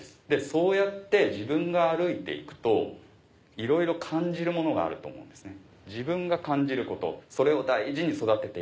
そうやって自分が歩いて行くといろいろ感じるものがあると思うんですね。